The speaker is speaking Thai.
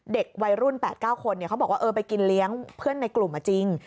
เด็กวัยรุ่น๘๙คนเขาบอกว่าไปกินเลี้ยงเพื่อนในกลุ่มมาจริง